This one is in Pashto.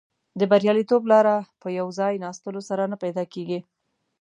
د بریالیتوب لاره په یو ځای ناستلو سره نه پیدا کیږي.